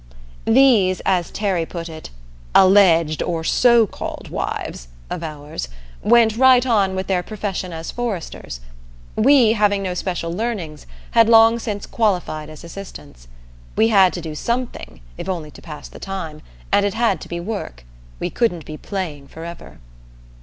These, as Terry put it, "alleged or so called wives" of ours, went right on with their profession as foresters. We, having no special learnings, had long since qualified as assistants. We had to do something, if only to pass the time, and it had to be work we couldn't be playing forever.